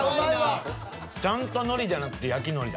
ちゃんとのりじゃなくて焼きのりだ。